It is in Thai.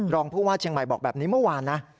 รองผู้ว่าเชียงใหม่บอกแบบนี้เมื่อวานนะ